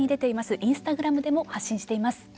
インスタグラムでも発信しています。